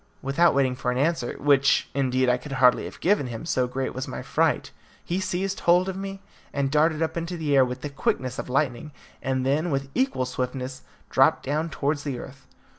Without waiting for an answer which, indeed, I could hardly have given him, so great was my fright he seized hold of me, and darted up into the air with the quickness of lightning, and then, with equal swiftness, dropped down towards the earth.